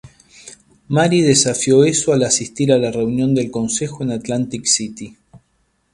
Mary desafió eso al asistir a la reunión del Consejo en Atlantic City.